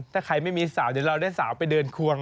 ถ้าใครไม่มีสาวเราก็ได้สาวไปเดินควง